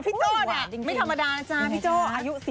โจ้เนี่ยไม่ธรรมดานะจ๊ะพี่โจ้อายุ๔๐